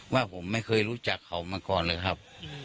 ว่าผมไม่เคยรู้จักเขามาก่อนเลยครับ